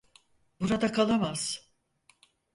Burada kalamaz.